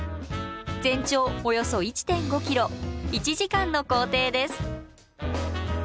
全長およそ１．５ｋｍ１時間の行程です。